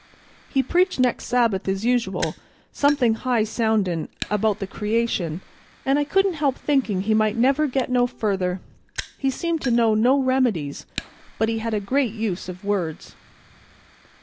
He preached next Sabbath as usual, somethin' high soundin' about the creation, and I couldn't help thinkin' he might never get no further; he seemed to know no remedies, but he had a great use of words."